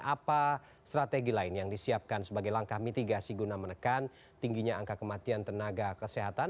apa strategi lain yang disiapkan sebagai langkah mitigasi guna menekan tingginya angka kematian tenaga kesehatan